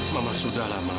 mama sudahlah ma